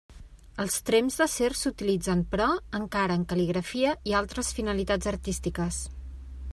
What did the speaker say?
Els tremps d'acer s'utilitzen, però, encara en cal·ligrafia i altres finalitats artístiques.